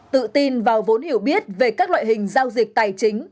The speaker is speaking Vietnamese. tự tin vào vốn hiểu biết về các loại hình giao dịch tài chính